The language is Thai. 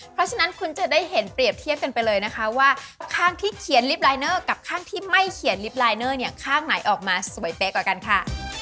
เพราะฉะนั้นคุณจะได้เห็นเปรียบเทียบกันไปเลยนะคะว่าข้างที่เขียนลิฟต์ลายเนอร์กับข้างที่ไม่เขียนลิฟต์ลายเนอร์เนี่ยข้างไหนออกมาสวยเป๊ะกว่ากันค่ะ